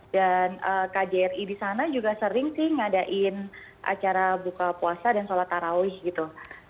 dan kjri di sana juga sering sih ngadain acara buka puasa dan sholat tarawih gitu